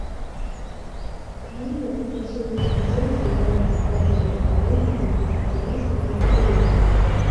Кніга і па сённяшні дзень з'яўляецца базавым дапаможнікам для спецыялістаў у гэтай галіне.